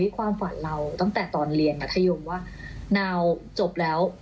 ความฝันเราตั้งแต่ตอนเรียนมัธยมว่านาวจบแล้ว